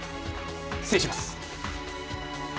失礼します。